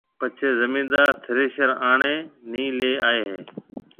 پڇيَ زميندار ٿريشر آݪي نَي ليَ آئي هيَ۔